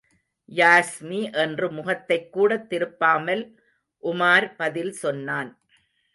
யாஸ்மி என்று முகத்தைக் கூடத் திருப்பாமல் உமார் பதில் சொன்னான்.